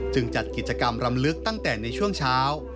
จัดกิจกรรมรำลึกตั้งแต่ในช่วงเช้า